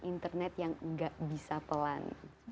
internet yang nggak bisa pelan